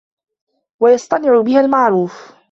وَيَصْطَنِعَ بِهَا الْمَعْرُوفَ